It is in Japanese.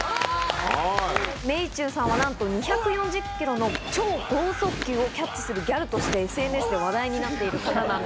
めいちゅんさんはなんと２４０キロの超剛速球をキャッチするギャルとしてＳＮＳで話題になっている方なんです。